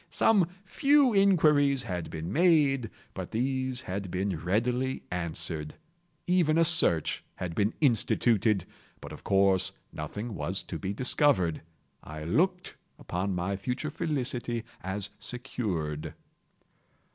Some few inquiries had been made, but these had been readily answered. Even a search had been instituted—but of course nothing was to be discovered. I looked upon my future felicity as secured.